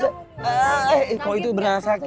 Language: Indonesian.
eh kok itu beneran sakit